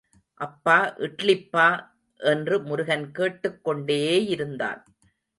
அப்பா இட்லிப்பா என்று முருகன் கேட்டுக் கொண்டேயிருந்தான்.